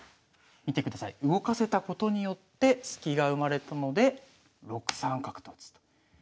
見てください動かせたことによってスキが生まれたので６三角と打つ。